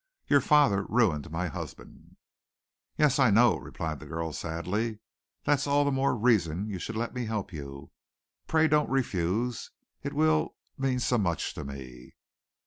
Your father ruined my husband." "Yes, I know," replied the girl sadly. "That's all the more reason you should let me help you. Pray don't refuse. It will mean so much to me."